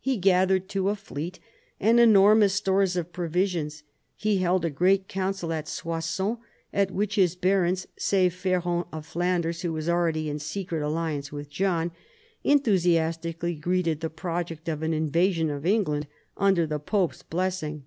He gathered too a fleet and enormous stores of provisions. He held a great council at Soissons, at which his barons (save Ferrand of Flanders, who was already in secret alli ance with John) enthusiastically greeted the project of an invasion of England under the pope's blessing.